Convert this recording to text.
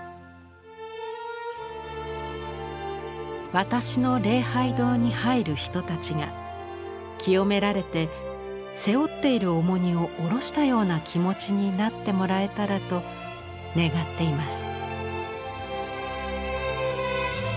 「私の礼拝堂に入る人たちが清められて背負っている重荷を下ろしたような気持ちになってもらえたらと願っています」。